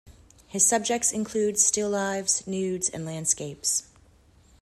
His subjects include still-lives, nudes, and landscapes.